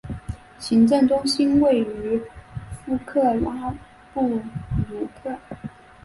行政中心位于弗克拉布鲁克。